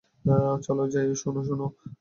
চলো যাই, - এই শোনো, শোনো।